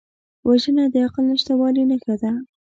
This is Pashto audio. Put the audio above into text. وژنه د عقل نشتوالي نښه ده